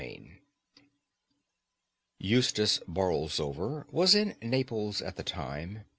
II Eustace Borlsover was in Naples at the time.